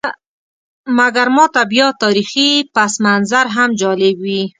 مګر ماته بیا تاریخي پسمنظر هم جالب وي.